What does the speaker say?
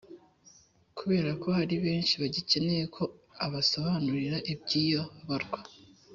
Kubera ko hari benshi bagikeneye ko ubasobanurira iby'iyo barwa,